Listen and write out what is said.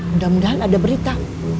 mudah mudahan ada berita